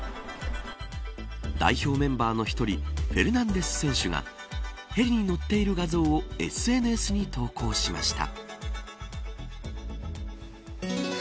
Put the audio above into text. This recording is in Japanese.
代表メンバーの１人フェルナンデス選手がヘリに乗っている画像をＳＮＳに投稿しました。